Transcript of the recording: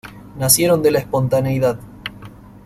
Nacieron de la espontaneidad.